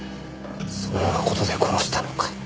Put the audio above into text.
そんな事で殺したのかよ。